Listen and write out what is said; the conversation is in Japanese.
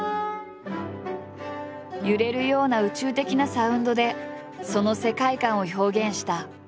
揺れるような宇宙的なサウンドでその世界観を表現した。